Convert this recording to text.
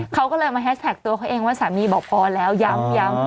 เขาก็เลยมาแฮชแท็กตัวเขาเองว่าสามีบอกพอแล้วย้ำ